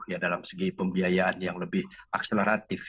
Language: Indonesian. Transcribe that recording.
ya dalam segi pembiayaan yang lebih akseleratif